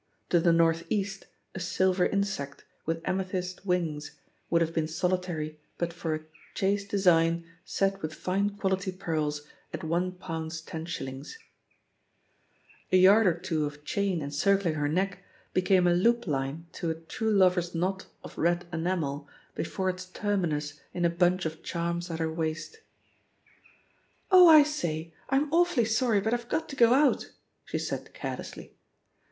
To the North east, a silver insect, with amethyst wings, would have been solitary but for a "Chaste design, set with fine quality pearls, at £l 10s. A yard or two of chain en circling her neck became a loop line to a true lover's knot of red enamel before its terminus in a bunch of charms at her waist. "Oh, I say, I'm awfully sorry, but I've got to go out," she said carelessly.